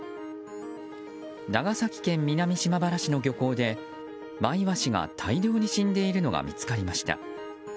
長崎県南島原市の漁港でマイワシが大量に死んでいるのが見つかりました。